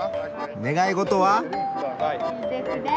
願い事は？